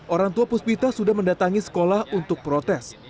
orang tua puspita sudah mendatangi sekolah untuk protes